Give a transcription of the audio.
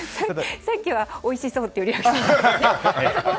さっきはおいしそうってリアクションでしたよね。